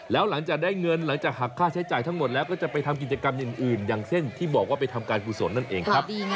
แล้วหลังจากได้เงินหลังจากหักค่าใช้จ่ายทั้งหมดแล้วก็จะไปทำกิจกรรมอย่างอื่นอย่างเช่นที่บอกว่าไปทำการกุศลนั่นเองครับ